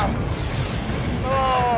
oh mana lu